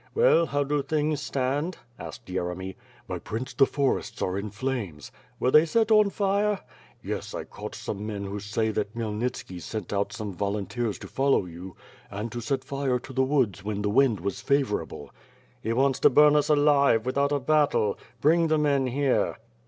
"Well, how do things stand?" asked Yeremy. "My Prince, the forests are in flames. "Were they set on fire?" "Yes, I caught some men who say that Khymelnitski sent out some volunteers to follow you and to set fire to the woods when the wind was favorable. "He wants to burn us alive, without a battle! Bring the men here."